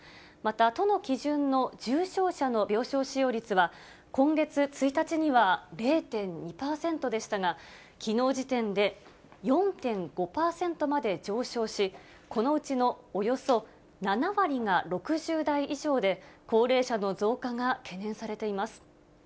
また、都の基準の重症者の病床使用率は、今月１日には０．２％でしたが、きのう時点で４．５％まで上昇し、このうちのおよそ７割が６０代以上で、高齢者の増加が懸念されています。